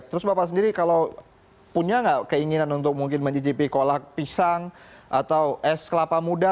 terus bapak sendiri kalau punya nggak keinginan untuk mungkin mencicipi kolak pisang atau es kelapa muda